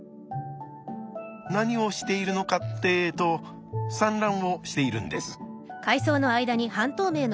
何をしているのかってえと産卵をしているんです。